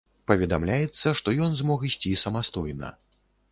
Паведамляецца, што ён змог ісці самастойна.